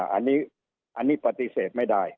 อันนี้ปฏิเสธไม่ได้